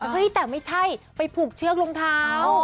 เฮ้ยแต่ไม่ใช่ไปผูกเชือกรองเท้า